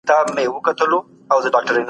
غلام سپي ته د یو نږدې ملګري په څېر کتل.